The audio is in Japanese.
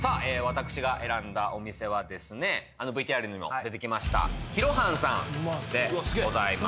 私が選んだお店はですねあのＶＴＲにも出てきました廣半さんでございます